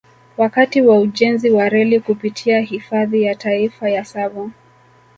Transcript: Wakati wa ujenzi wa reli kupitia Hifadhi ya Taifa ya Tsavo